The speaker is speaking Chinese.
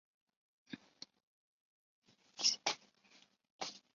于斯塔德有很多频繁的渡口到丹麦的博恩霍尔姆和波兰的希维诺乌伊希切。